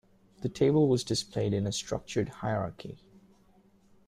The table was displayed in a structured hierarchy.